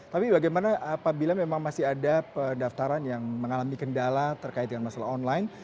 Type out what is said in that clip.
tapi bagaimana apabila memang masih ada pendaftaran yang mengalami kendala terkait dengan masalah online